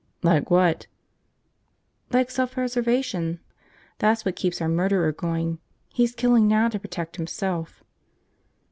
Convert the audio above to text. "Like what?" "Like self preservation. That's what keeps our murderer going. He's killing now to protect himself."